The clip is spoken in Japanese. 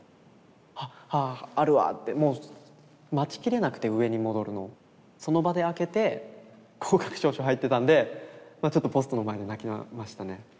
「あっあああるわ」ってもう待ちきれなくて上に戻るのその場で開けて合格証書入ってたんでまあちょっとポストの前で泣きましたね。